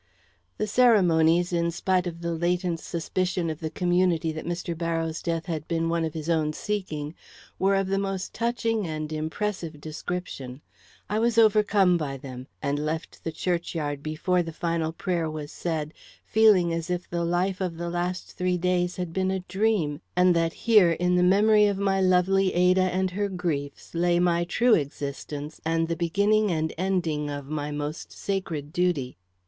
The ceremonies, in spite of the latent suspicion of the community that Mr. Barrows' death had been one of his own seeking, were of the most touching and impressive description. I was overcome by them, and left the churchyard before the final prayer was said, feeling as if the life of the last three days had been a dream, and that here in the memory of my lovely Ada and her griefs lay my true existence and the beginning and ending of my most sacred duty.